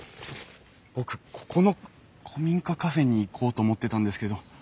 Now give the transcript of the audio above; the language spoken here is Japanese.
僕ここの古民家カフェに行こうと思ってたんですけど。